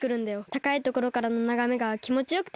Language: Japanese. たかいところからのながめがきもちよくてさ。